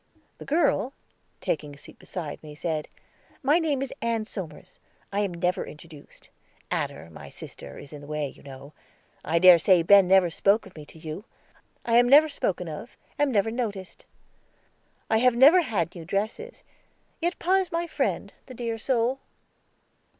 The girl, taking a seat beside me, said: "My name is Ann Somers. I am never introduced; Adder, my sister, is in the way, you know. I dare say Ben never spoke of me to you. I am never spoken of, am never noticed. I have never had new dresses; yet pa is my friend, the dear soul."